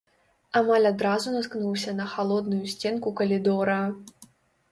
Амаль адразу наткнуўся на халодную сценку калідора.